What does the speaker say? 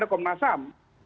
saya bertanya pada komnasam